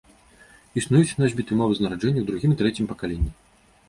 Існуюць носьбіты мовы з нараджэння ў другім і трэцім пакаленні.